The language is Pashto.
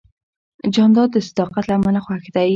جانداد د صداقت له امله خوښ دی.